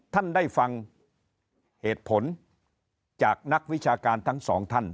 ท่านได้ฟังเหตุผลจากนักวิชาการทั้งสองท่าน